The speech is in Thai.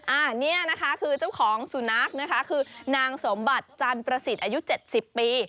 อันนี้นะคะคือเจ้าของสุนัขนะคะคือนางสมบัติจันประสิทธิ์อายุเจ็ดสิบปี